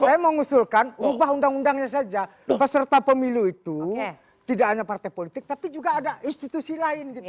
saya mau ngusulkan ubah undang undangnya saja peserta pemilu itu tidak hanya partai politik tapi juga ada institusi lain gitu